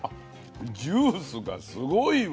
ジュースがすごいわ。